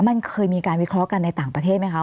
มันเคยมีการวิเคราะห์กันในต่างประเทศไหมคะ